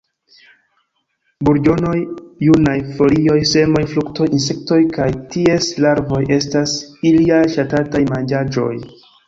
Burĝonoj, junaj folioj, semoj, fruktoj, insektoj kaj ties larvoj estas iliaj ŝatataj manĝaĵoj.